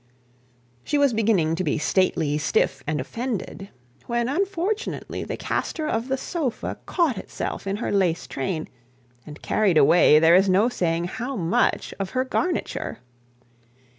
She was beginning to be stately, stiff, and offended, when unfortunately the castor of the sofa caught itself in her lace train, and carried away there is no saying how much of her garniture.